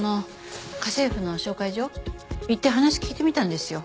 行って話聞いてみたんですよ。